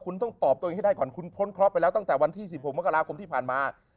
คุณต้องตอบตัวเองให้ได้ก่อนคุณพ้นเคราะห์ไปแล้วตั้งแต่วันที่๑๖มกราคมที่ผ่านมา